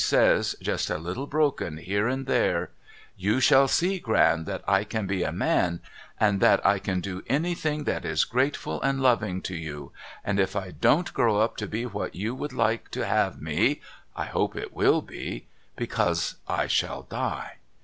says just a little broken here and there ' You shall see Gran that I can be a man and that I can do any thing that is grateful and loving to you — and if I don't grow up to be what you would like to have me — I hope it will be — because I shall die.'